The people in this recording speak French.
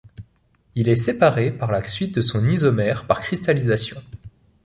Il est séparé par la suite de son isomère par cristallisation.